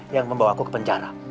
yang membawa aku ke penjara